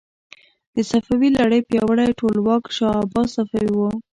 د صفوي لړۍ پیاوړی ټولواک شاه عباس صفوي و.